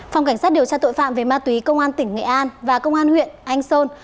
phòng cảnh sát điều tra tội phạm về ma túy công an tỉnh nghệ an và công an huyện anh sơn